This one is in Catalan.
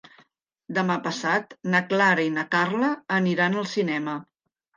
Demà passat na Clara i na Carla aniran al cinema.